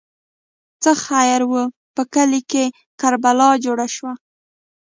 ـ څه خیر وو، په کلي کې کربلا جوړه شوه.